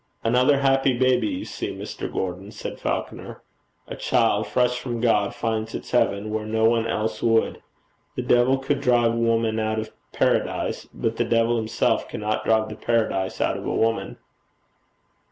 Another happy baby, you see, Mr. Gordon,' said Falconer. 'A child, fresh from God, finds its heaven where no one else would. The devil could drive woman out of Paradise; but the devil himself cannot drive the Paradise out of a woman.'